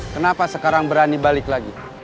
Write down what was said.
kenapa sekarang berani balik lagi